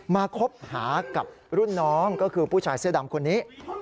คบหากับรุ่นน้องก็คือผู้ชายเสื้อดำคนนี้